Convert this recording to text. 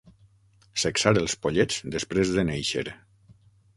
Sexar els pollets després de néixer.